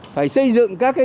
phải xây dựng các cái